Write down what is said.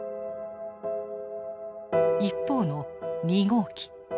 一方の２号機。